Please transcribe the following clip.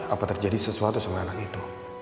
apa terjadi sesuatu sama anak itu